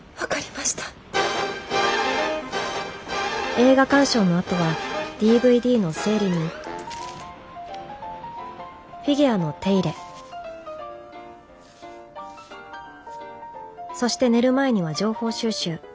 映画鑑賞のあとはＤＶＤの整理にフィギュアの手入れそして寝る前には情報収集。